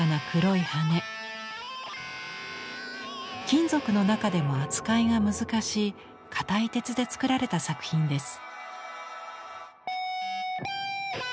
金属の中でも扱いが難しい硬い鉄で作られた作品です。